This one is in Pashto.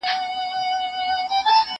زه به سبا سندري واورم،